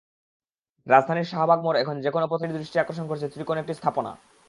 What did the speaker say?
রাজধানীর শাহবাগ মোড়ে এখন যেকোনো পথচারীর দৃষ্টি আকর্ষণ করছে ত্রিকোণ একটি স্থাপনা।